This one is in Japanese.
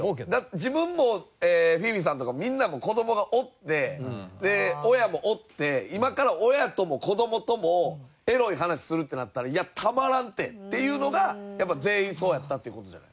自分もフィフィさんとかみんなも子どもがおってで親もおって今から親とも子どもともエロい話するってなったら「いやたまらんって」っていうのがやっぱ全員そうやったっていう事じゃない？